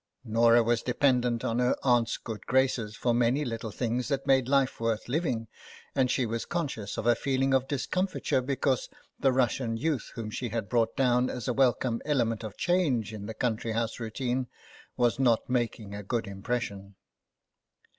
Norah was dependent on her aunt's good graces for many little things that made life worth living, and she was conscious of a feeling of discomfiture because the Russian youth whom she had brought down as a welcome element of change in the country 78 THE BAG house routine was not making a good impression.